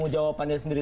itu jawabannya sendiri